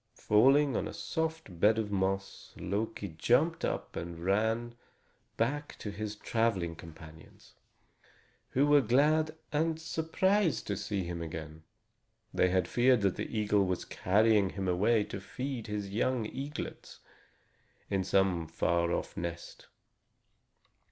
Falling on a soft bed of moss, Loki jumped up and ran back to his traveling companions, who were glad and surprised to see him again. They had feared that the eagle was carrying him away to feed his young eaglets in some far off nest.